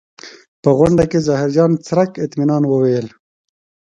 په غونډه کې ظاهرجان څرک اطمنان وویل.